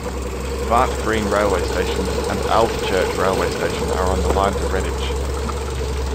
Barnt Green railway station and Alvechurch railway station are on the line to Redditch.